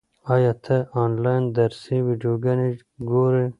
ایا ته آنلاین درسي ویډیوګانې ګورې؟